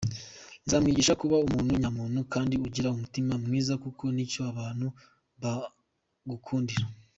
Nzamwigisha kuba umuntu nyamuntu kandi ugira umutima mwiza kuko nicyo abantu bagukundira.